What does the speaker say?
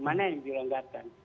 mana yang direnggarkan